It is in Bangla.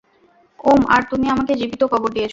ওম, আর তুমি আমাকে জীবিত কবর দিয়েছ।